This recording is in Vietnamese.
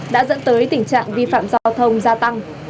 đã dẫn tới tình trạng vi phạm giao thông gia tăng